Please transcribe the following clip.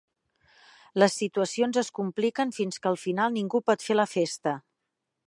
Les situacions es compliquen fins que al final ningú pot fer la festa.